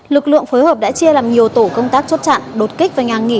lực lượng phối hợp đã chia làm nhiều tổ công tác chốt chặn đột kích và nhàng nghỉ